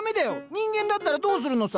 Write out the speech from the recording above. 人間だったらどうするのさ？